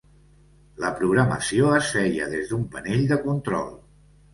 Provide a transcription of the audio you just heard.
La programació es feia des d'un panell de control.